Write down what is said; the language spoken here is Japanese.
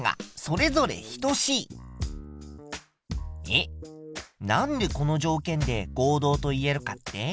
えっなんでこの条件で合同と言えるかって？